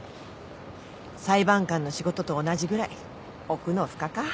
裁判官の仕事と同じぐらい奥の深か。